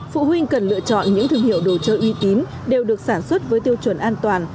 phụ huynh cần lựa chọn những thương hiệu đồ chơi uy tín đều được sản xuất với tiêu chuẩn an toàn